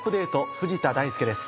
藤田大介です。